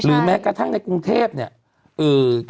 แม้กระทั่งในกรุงเทพเนี่ย